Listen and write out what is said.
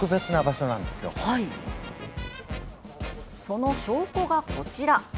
その証拠がこちら！